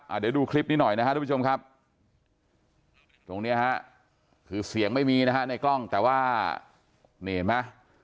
เดี๋ยวดูคลิปนี้หน่อยนะฮะทุกผู้ชมครับตรงเนี้ยฮะคือเสียงไม่มีนะฮะในกล้องแต่ว่านี่เห็นไหม